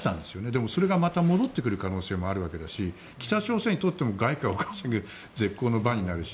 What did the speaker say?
でもそれがまた戻ってくる可能性もあるわけだし北朝鮮にとっても外貨を稼げる絶好の場になるし。